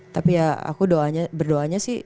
tapi ya aku berdoanya sih